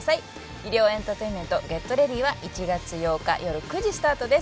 医療エンタテインメント「ＧｅｔＲｅａｄｙ！」は１月８日よる９時スタートです